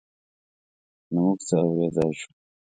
نه موږ څه اورېدای شول.